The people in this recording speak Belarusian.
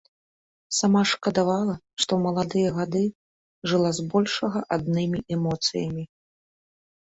Сама ж шкадавала, што ў маладыя гады жыла збольшага аднымі эмоцыямі.